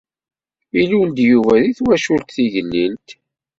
Ilul-d Yuba deg twacult tigellilt.